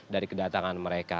dari kedatangan mereka